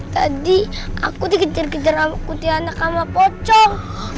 tadi aku dikejar kejar sama kutianak sama pocong